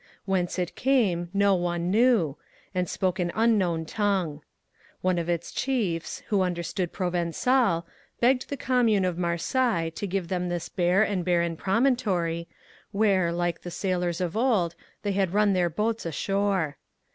Whence it came no one knew, and it spoke an unknown tongue. One of its chiefs, who understood Provençal, begged the commune of Marseilles to give them this bare and barren promontory, where, like the sailors of old, they had run their boats ashore.